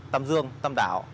tâm dương tâm đảo